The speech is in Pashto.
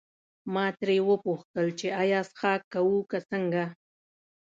ما ترې وپوښتل چې ایا څښاک کوو که څنګه.